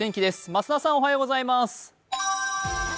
増田さん、おはようございます。